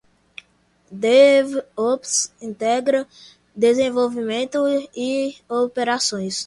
DevOps integra desenvolvimento e operações.